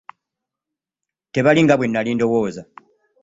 Tebali nga bwe nali ndowooza.